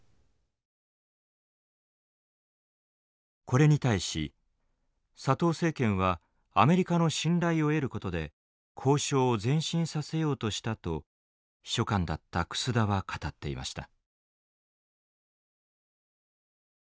これに対し佐藤政権はアメリカの信頼を得ることで交渉を前進させようとしたと秘書官だった楠田は語っていました。